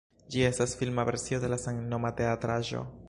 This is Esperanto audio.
Ĝi estas filma versio de la samnoma teatraĵo.